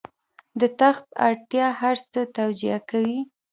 د تخت اړتیا هر څه توجیه کوي.